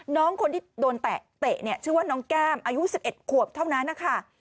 น้องคนที่โดนแตะเตะเนี่ยชื่อว่าน้องแก้มอายุ๑๑ขวบเท่านั้นนะคะ